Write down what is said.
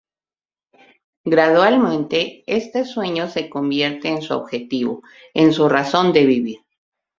Gradualmente este sueño se convierte en su objetivo, en su razón de vivir.